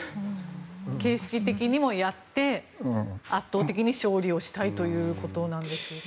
形式的にもやって圧倒的に勝利をしたいということなんでしょうか。